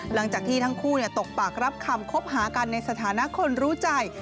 หลังจากที่ทั้งคู่ตกปากรับคำคบหากันในสถานะคนรู้ใจ